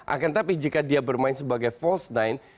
akan tetapi jika dia bermain sebagai false nine